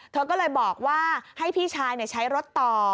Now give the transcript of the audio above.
เธอก็เลยบอกว่าให้พี่ชายใช้รถต่อ